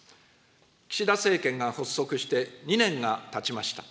岸田政権が発足して２年がたちました。